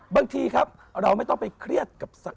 บางทีครับเราไม่ต้องไปเครียดกับทุกเรื่องเลยก็ได้